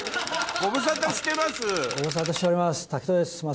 ご無沙汰しております